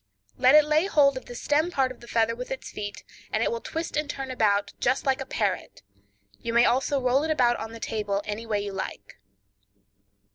Let it lay hold of the stem part of the feather with its feet, and it will twist and turn about just like a parrot; you may also roll it about on the table any way you like.